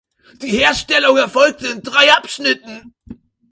Die Herstellung erfolgte in drei Abschnitten.